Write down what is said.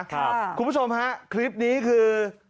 คุณผู้ชมฮะคลิปนี้คือ